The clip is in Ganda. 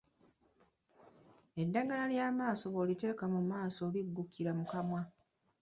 Eddagala ly'amaaso bw'oliteeka mu maaso liggukira mu kamwa.